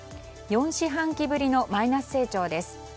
４四半期ぶりのマイナス成長です。